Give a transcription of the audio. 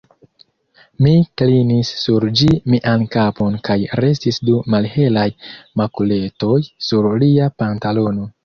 Mi klinis sur ĝi mian kapon kaj restis du malhelaj makuletoj sur lia pantalono.